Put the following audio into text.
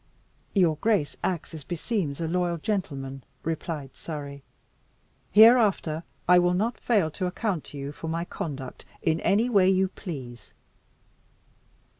"Your grace acts as beseems a loyal gentleman," replied Surrey. "Hereafter I will not fail to account to you for my conduct in any way you please."